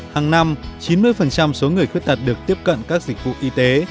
hàng năm chín mươi số người khuyết tật được tiếp cận các dịch vụ y tế